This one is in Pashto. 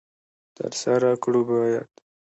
تر سره کړو باید.